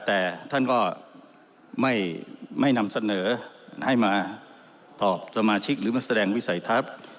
แต่ท่านก็ไม่นำเสนอให้มาตอบสมาชิกหรือมาแสดงวิสัยทัศน์